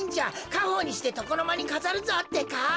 かほうにしてとこのまにかざるぞってか。